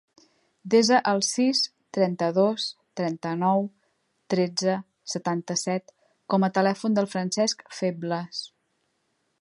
Desa el sis, trenta-dos, trenta-nou, tretze, setanta-set com a telèfon del Francesc Febles.